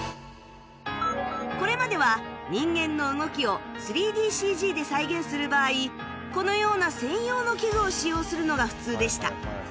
これまでは人間の動きを ３ＤＣＧ で再現する場合このような専用の器具を使用するのが普通でした